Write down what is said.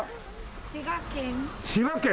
滋賀県。